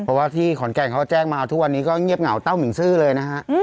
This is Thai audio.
เพราะว่าที่ขอนแก่นเขาแจ้งมาทุกวันนี้ก็เงียบเหงาเต้าหมิ่งซื่อเลยนะฮะ